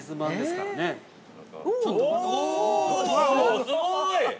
すごーい！